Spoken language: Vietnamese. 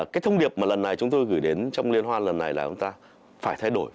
cái thông điệp mà lần này chúng tôi gửi đến trong liên hoan lần này là chúng ta phải thay đổi